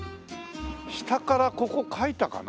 下からここ描いたかな？